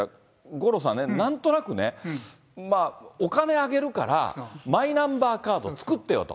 五郎さんね、なんとなくね、お金あげるから、マイナンバーカード作ってよと。